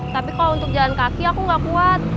tapi kalau untuk jalan kaki aku gak kuat